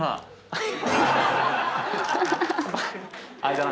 はい。